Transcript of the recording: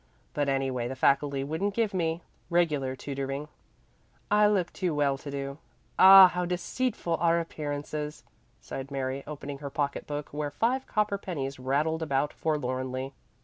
But anyway the faculty wouldn't give me regular tutoring. I look too well to do. Ah! how deceitful are appearances!" sighed Mary, opening her pocketbook, where five copper pennies rattled about forlornly.